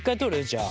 じゃあ。